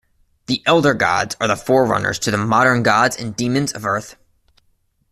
The Elder Gods are the forerunners to the modern gods and demons of Earth.